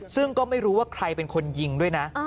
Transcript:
ซึ่งก็ไม่รู้ว่าใครเป็นคนยิงด้วยนะ